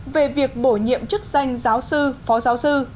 về việc bổ nhiệm chức danh giáo sư phó giáo sư